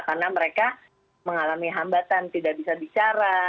karena mereka mengalami hambatan tidak bisa bicara